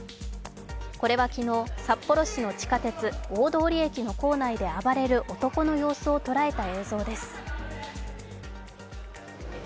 これは昨日、札幌市の地下鉄大通駅の構内で暴れる男の様子を捉えた映像です。